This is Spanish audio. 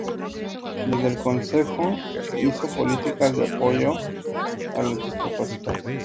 Desde el concejo, hizo políticas de apoyo a los discapacitados.